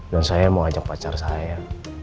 dan saya mau ajak pacar saya